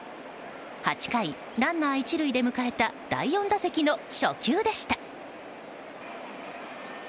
８回、ランナー１塁で迎えた第４打席の初球でした。